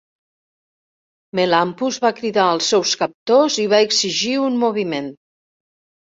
Melampus va cridar als seus captors i va exigir un moviment.